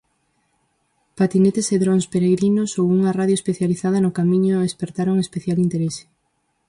Patinetes e drons peregrinos ou unha radio especializada no Camiño espertaron especial interese.